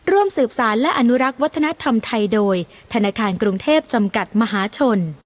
ร่วมสืบสารและอนุรักษ์วัฒนธรรมไทยโดยธนาคารกรุงเทพจำกัดมหาชน